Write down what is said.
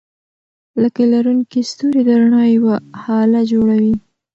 لکۍ لرونکي ستوري د رڼا یوه هاله جوړوي.